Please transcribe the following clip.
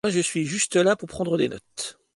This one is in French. Moi je suis juste là pour prendre des notes.